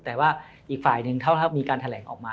แต่ว่าอีกฝ่ายหนึ่งเท่ามีการแถลงออกมา